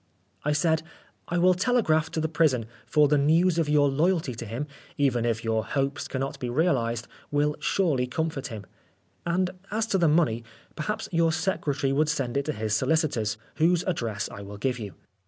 I said, " I will telegraph to the prison, for the news of your loyalty to him, even if your hopes cannot be realised, will surely 138 Oscar Wilde comfort him. And as to the money, perhaps your secretary would send it to his solicitors, whose address I will give you."